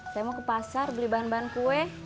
saya mau ke pasar beli bahan bahan kue